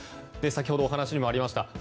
先ほどお話にもありました